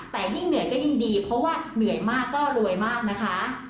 แต่ยิ่งเหนื่อยก็ยิ่งดีเพราะว่าเหนื่อยมากก็รวยมากนะคะ